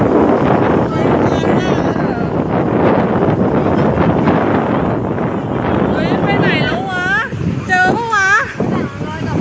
ที่สุดท้ายจากอัตภัยที่สุดท้ายเมืองของตาแกร่ง